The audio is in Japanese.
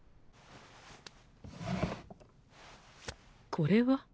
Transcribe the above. これは？